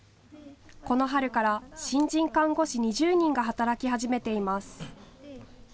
この春から新人看護師２０人が働き始めています。